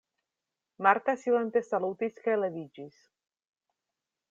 Marta silente salutis kaj leviĝis.